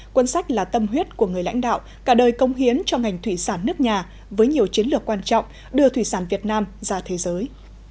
cuốn sách là tâm huyết của người lãnh đạo cả đời công hiến cho ngành thủy sản nước nhà với nhiều chiến lược quan trọng đưa thủy sản việt nam ra thế giới